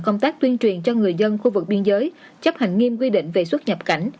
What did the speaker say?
công tác tuyên truyền cho người dân khu vực biên giới chấp hành nghiêm quy định về xuất nhập cảnh